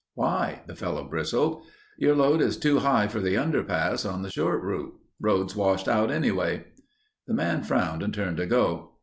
"Why?" the fellow bristled. "Your load is too high for the underpass on the short route. Road's washed out anyway." The man frowned and turned to go.